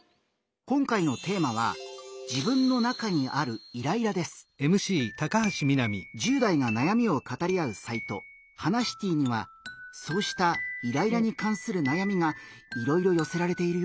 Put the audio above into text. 今回のテーマは１０代がなやみを語り合うサイト「ハナシティ」にはそうしたイライラに関するなやみがいろいろよせられているよ。